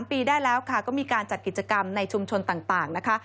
ปีได้แล้วค่ะก็มีการจัดกิจกรรมในชุมชนต่างนะคะ